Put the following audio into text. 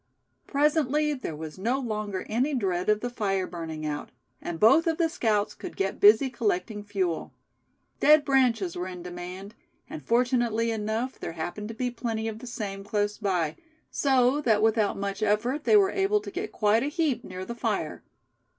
Presently there was no longer any dread of the fire burning out; and both of the scouts could get busy collecting fuel. Dead branches were in demand, and fortunately enough, there happened to be plenty of the same close by, so that without much effort they were able to get quite a heap near the fire.